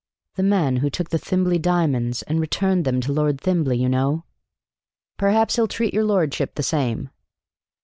"The man who took the Thimblely diamonds and returned them to Lord Thimblely, you know." "Perhaps he'll treat your lordship the same."